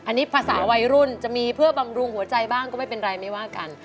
อันนี้ภาษาวัยรุ่นจะมีเพื่อบำรุงหัวใจบ้างก็ไม่เป็นไรไม่ว่ากัน